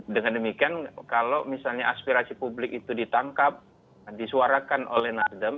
dengan demikian kalau misalnya aspirasi publik itu ditangkap disuarakan oleh nasdem